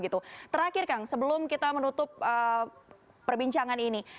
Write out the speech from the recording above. terakhir kang sebelum kita menutup perbincangan ini